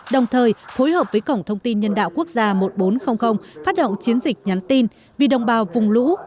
đồng thời phối hợp với cổng thông tin nhân đạo quốc gia một nghìn bốn trăm linh phát động chiến dịch nhắn tin vì đồng bào vùng lũ